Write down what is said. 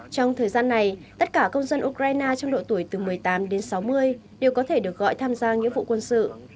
trong thời gian này tất cả công dân ukraine trong độ tuổi từ một mươi tám đến sáu mươi đều có thể được gọi tham gia nghĩa vụ quân sự